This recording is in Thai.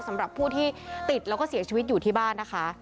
สำหรับผู้ที่ติดแล้วก็เสียชีวิตอยู่ที่บ้านนะคะ